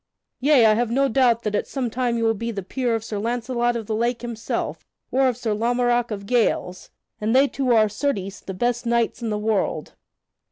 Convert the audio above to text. Yea; I have no doubt that at some time you will be the peer of Sir Launcelot of the Lake himself, or of Sir Lamorak of Gales, and they two are, certes, the best knights in the world.